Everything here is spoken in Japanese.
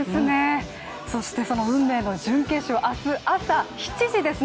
そしてその運命の準決勝、明日朝７時です。